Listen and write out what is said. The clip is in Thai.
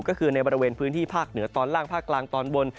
ก็คือในบริเวณพื้นที่ภาคเหนือตอนล่างภาคกลางตอนบน